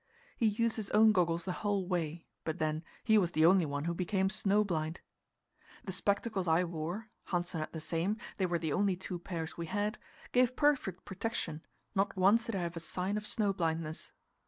He used his own goggles the whole way, but then, he was the only one who became snow blind. The spectacles I wore Hanssen had the same; they were the only two pairs we had gave perfect protection; not once did I have a sign of snow blindness.